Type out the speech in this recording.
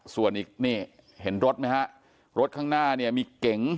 ส่วนอีกนี่เห็นรถไหมฮะรถข้างหน้าเนี่ยมีเก๋ง